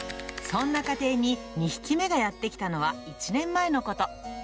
そんな家庭に２匹目がやって来たのは１年前のこと。